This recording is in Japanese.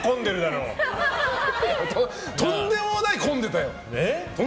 とんでもない混んでたよ。